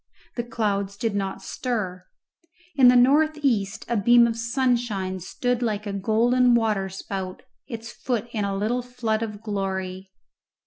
The clouds did not stir. In the north east a beam of sunshine stood like a golden waterspout, its foot in a little flood of glory.